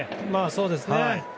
そうですね。